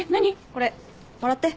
これもらって。